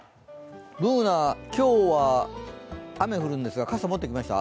Ｂｏｏｎａ、今日は雨降るんですが、傘、持ってきました？